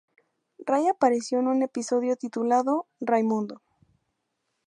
Ray apareció en un episodio titulado "Raymundo".